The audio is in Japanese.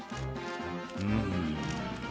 うん。